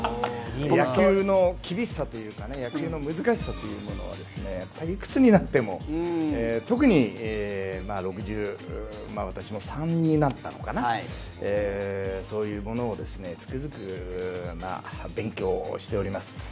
野球の厳しさというか、野球の難しさというものをですね、いくつになっても、私も６３になったのかな、そういうものをつくづく勉強しております。